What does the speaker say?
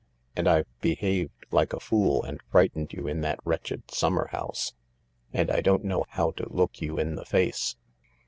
And I've behaved like a fool and frightened you in that wretched summer house, and I don't know how to look you in the face."